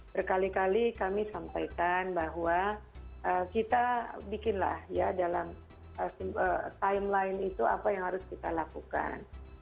berkali kali kami sampaikan bahwa kita bikinlah ya dalam timeline itu apa yang harus kita lakukan